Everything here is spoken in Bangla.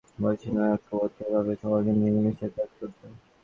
তিনি আমাকে নির্দেশ দিয়ে বলেছেন, ঐক্যবদ্ধভাবে সকলকে নিয়ে মিলেমিশে কাজ করতে।